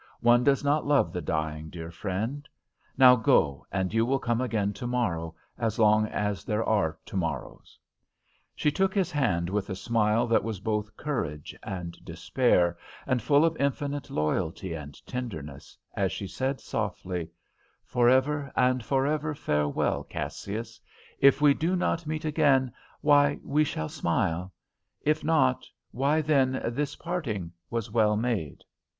One does not love the dying, dear friend. Now go, and you will come again tomorrow, as long as there are tomorrows." She took his hand with a smile that was both courage and despair, and full of infinite loyalty and tenderness, as she said softly: _"For ever and for ever, farewell, Cassius; If we do meet again, why, we shall smile; If not, why then, this parting was well made."